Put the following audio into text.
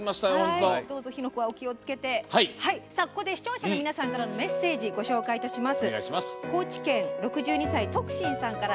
ここで視聴者の皆さんからのメッセージ、ご紹介します。